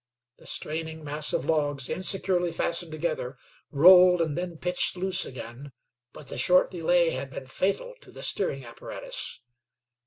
The straining mass of logs, insecurely fastened together, rolled and then pitched loose again, but the short delay had been fatal to the steering apparatus.